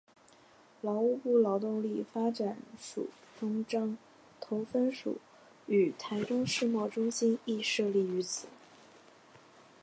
劳动部劳动力发展署中彰投分署与台中世贸中心亦设立于此。